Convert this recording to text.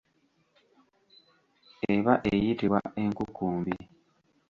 Eba eyitibwa enkukumbi.